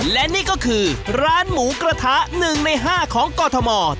และนี่ก็คือร้านหมูกระทะหนึ่งในห้าของกอธมอธ